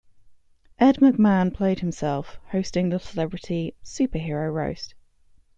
Ed McMahon played himself, hosting the celebrity super-hero roast.